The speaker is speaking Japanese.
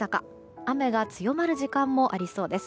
雨が強まる時間もありそうです。